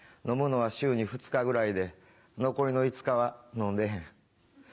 飲むのは週に２日ぐらいで残りの５日は飲んでへん。